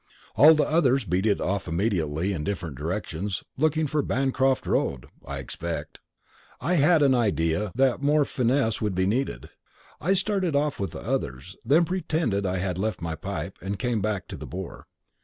All the others beat it off immediately in different directions looking for Bancroft Road, I expect. I had an idea that more finesse would be needed. I started off with the others, then pretended I had left my pipe, and came back to the Boar.